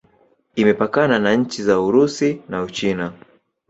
Imepakana na nchi za Urusi na Uchina.